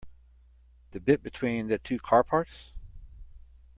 The bit between the two car parks?